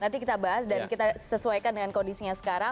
nanti kita bahas dan kita sesuaikan dengan kondisinya sekarang